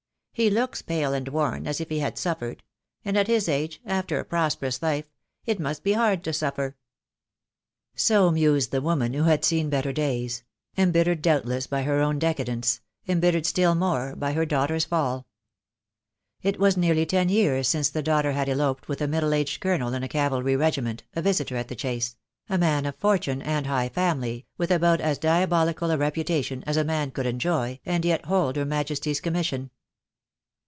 He looks pale and worn, as if he had suffered: and at his age, after a prosperous life, it must be hard to suffer." So mused the woman who had seen better days — THE DAY WILL COME. 125 embittered doubtless by her own decadence — embittered still more by her daughter's fall. It was nearly ten years since the daughter had eloped with a middle aged Colonel in a cavalry regiment, a visitor at the Chase — a man of fortune and high family, with about as diabolical a reputation as a man could enjoy and yet hold Her Majesty's commission.